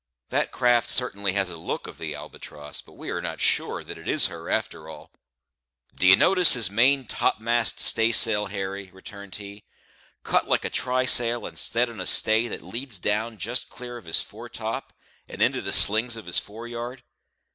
That craft certainly has a look of the Albatross; but we are not sure that it is her after all." "D'ye notice his main topmast staysail, Harry?" returned he; "cut like a trysail, and set on a stay that leads down just clear of his fore top and into the slings of his fore yard.